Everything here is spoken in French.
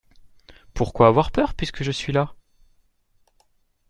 Pourquoi avoir peur puisque je suis là ?